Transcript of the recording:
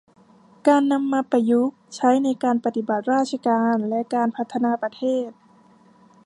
การนำมาประยุกต์ใช้ในการปฏิบัติราชการและการพัฒนาประเทศ